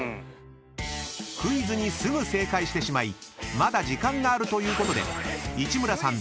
［クイズにすぐ正解してしまいまだ時間があるということで市村さん